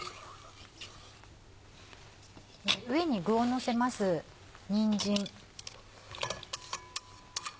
上に具をのせますにんじん。